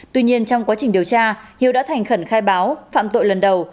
tuy nhiên trong quá trình điều tra hiếu đã thành khẩn khai báo phạm tội lần đầu